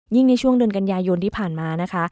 ยิ่งในช่วงเดือนกันยายนที่ผ่านมา